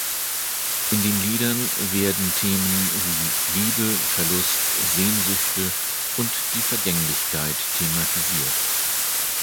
In den Liedern werden Themen wie Liebe, Verlust, Sehnsüchte und die Vergänglichkeit thematisiert.